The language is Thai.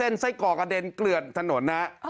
รถผมคว่ำนี่ฮะ